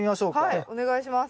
はいお願いします。